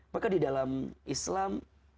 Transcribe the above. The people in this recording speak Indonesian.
maka di dalam islam